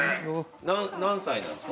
何歳なんですか？